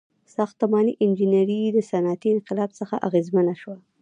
• ساختماني انجینري د صنعتي انقلاب څخه اغیزمنه شوه.